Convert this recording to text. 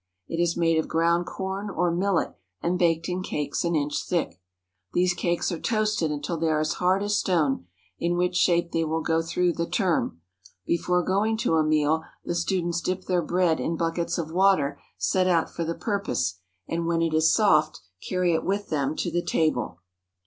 It is made of ground corn or millet and baked in cakes an inch thick. These cakes are toasted until they are as hard as stone, in which shape they will go through the term. Before going to a meal the students dip their bread in buckets of water set out for the purpose, and when it is soft carry it with them to the table.